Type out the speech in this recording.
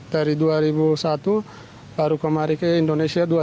dari dua ribu satu baru kemarin ke indonesia dua ribu sebelas